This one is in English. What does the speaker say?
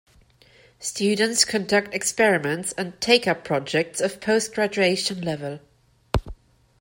Students conduct experiments and take up projects of post graduation level.